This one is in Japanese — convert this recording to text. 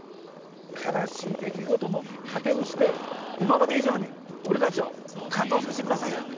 悲しい出来事もかてにして今まで以上に俺たちを感動させてくださいよ。